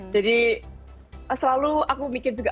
jadi selalu aku mikir juga